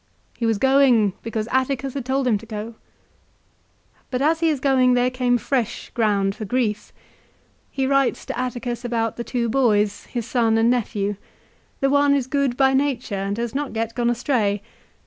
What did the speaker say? He was going' because Atticus had told him to go. But as he is going there came fresh ground for grief. He writes to Atticus about the two boys, his son and nephew. The one is good by nature, and has not yet gone astray.